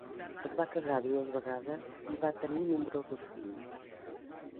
Es va casar dues vegades i va tenir nombrosos fills.